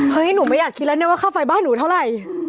หนูไม่อยากคิดแล้วเนี่ยว่าค่าไฟบ้านหนูเท่าไหร่